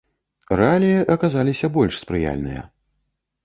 Рэаліі аказаліся больш спрыяльныя.